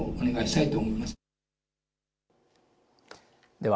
では